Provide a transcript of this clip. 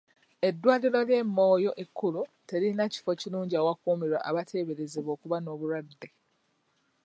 Eddwaliro ly'e Moyo ekkulu terilina kifo kirungi awakuumirwa abateeberezebwa okuba n'obulwadde.